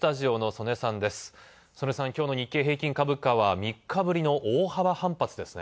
曽根さん、日経平均株価は３日ぶりの大幅反発ですね。